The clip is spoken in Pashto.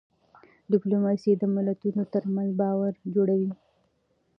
ډيپلوماسي د ملتونو ترمنځ باور جوړوي.